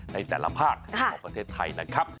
ในแต่ละภาคของประเทศไทยนะครับ